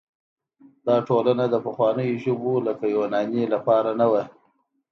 دا ټولنه د پخوانیو ژبو لکه یوناني لپاره نه وه.